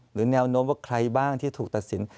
แนวโน้มว่าใครบ้างที่ถูกตัดสิน